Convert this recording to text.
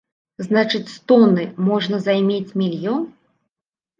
Значыць, з тоны можна займець мільён.